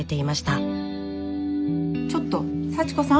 ちょっと幸子さん？